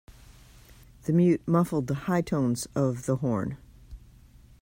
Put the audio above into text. The mute muffled the high tones of the horn.